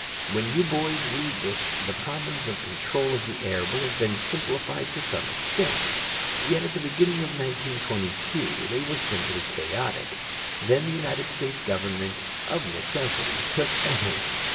When you boys read this the problems of control of the air will have been simplified to some extent. Yet at the beginning of 1922 they were simply chaotic. Then the United States Government of necessity took a hand.